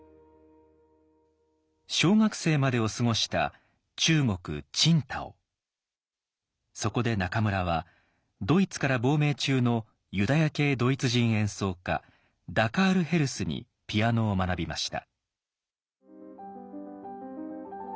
小学生までを過ごしたそこで中村はドイツから亡命中のユダヤ系ドイツ人演奏家ダ・カール・ヘルスにピアノを学びました。